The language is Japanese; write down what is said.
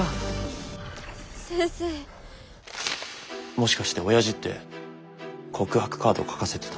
もしかして親父って告白カードを書かせてた？